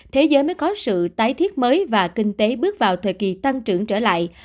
thế giới mới có sự tái thiết mới và kinh tế bước vào thời kỳ tăng trưởng trở lại